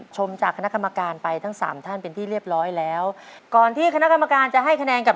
ผมถ้าไม่กินเอาไม่อยู่หรือครับ